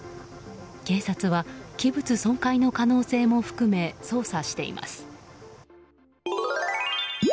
警察は器物損壊の可能性も含め捜査しています。